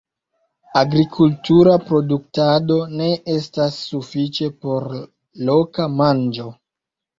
Agrikultura produktado ne estas sufiĉa por loka manĝo.